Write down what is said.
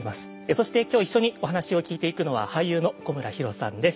そして今日一緒にお話を聞いていくのは俳優の古村比呂さんです。